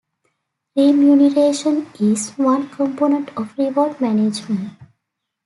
Remuneration is one component of reward management.